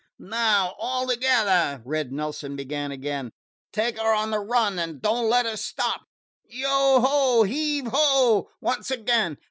"Now all together!" Red Nelson began again. "Take her on the run and don't let her stop! Yo, ho! heave, ho! Once again!